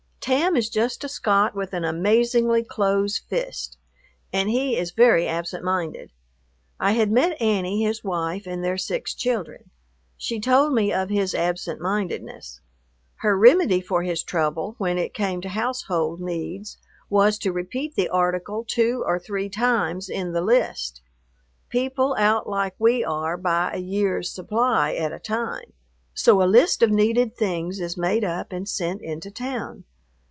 Tam is just a Scot with an amazingly close fist, and he is very absent minded. I had met Annie, his wife, and their six children. She told me of his absent mindedness. Her remedy for his trouble when it came to household needs was to repeat the article two or three times in the list. People out like we are buy a year's supply at a time. So a list of needed things is made up and sent into town.